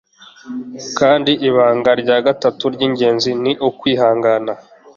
kandi ibanga rya gatatu ry'ingenzi ni ukwihangana